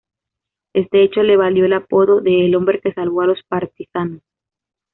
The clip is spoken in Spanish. Este hecho le valió el apodo de "el hombre que salvó a los partisanos".